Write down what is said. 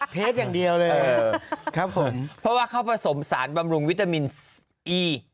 เทสอย่างเดียวเลยครับผมเพราะว่าเขาผสมสารบำรุงวิตามินอี